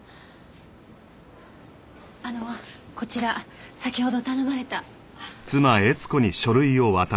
あのこちら先ほど頼まれた。